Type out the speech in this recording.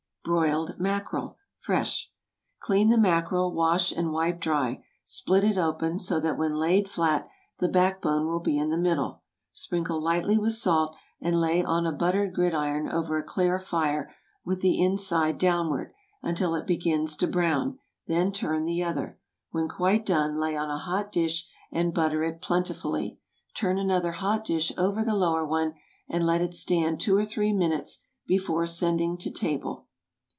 BROILED MACKEREL. (Fresh.) Clean the mackerel, wash, and wipe dry. Split it open, so that when laid flat the backbone will be in the middle. Sprinkle lightly with salt, and lay on a buttered gridiron over a clear fire, with the inside downward, until it begins to brown; then turn the other. When quite done, lay on a hot dish and butter it plentifully. Turn another hot dish over the lower one, and let it stand two or three minutes before sending to table.